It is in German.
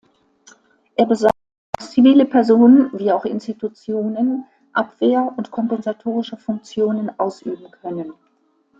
Er besagt, dass zivile Personen wie auch Institutionen Abwehr und kompensatorische Funktionen ausüben können.